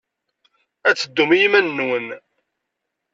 Ad teddum i yiman-nwen.